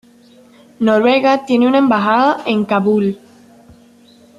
Noruega tiene una embajada en Kabul.